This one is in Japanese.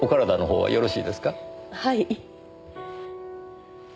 はい。